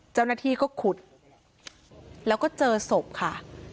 เจ้าหน้าที่ก็ขุดแล้วก็เจอศพค่ะ